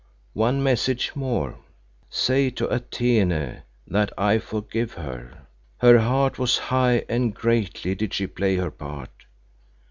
"One message more. Say to Atene that I forgive her. Her heart was high and greatly did she play her part.